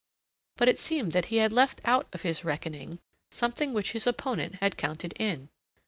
But it seemed that he had left out of his reckoning something which his opponent had counted in.